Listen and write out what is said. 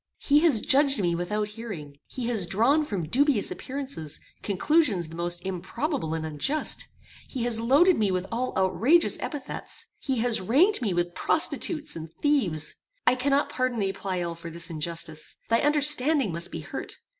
He has judged me without hearing. He has drawn from dubious appearances, conclusions the most improbable and unjust. He has loaded me with all outrageous epithets. He has ranked me with prostitutes and thieves. I cannot pardon thee, Pleyel, for this injustice. Thy understanding must be hurt.